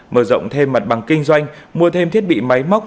mở rộng thêm mặt bằng kinh doanh mua thêm thiết bị máy móc